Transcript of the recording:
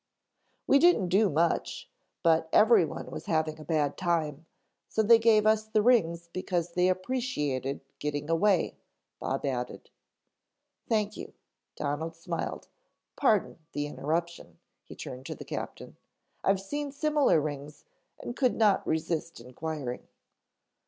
"We didn't do much, but everyone was having a bad time, so they gave us the rings because they appreciated getting away," Bob added. "Thank you," Donald smiled. "Pardon the interruption," he turned to the captain. "I've seen similar rings and could not resist inquiring."